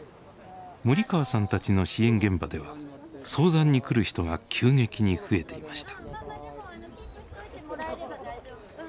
森川さんたちの支援現場では相談に来る人が急激に増えていました。